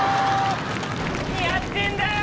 何やってんだよ！